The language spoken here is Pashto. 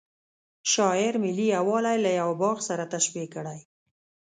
شاعر ملي یوالی له یوه باغ سره تشبه کړی.